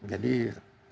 jadi sampai sekarang ini